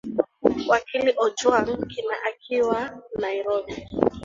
wakili ojwang kina akiwa nairobi